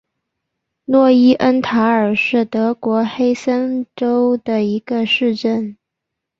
诺伊恩塔尔是德国黑森州的一个市镇。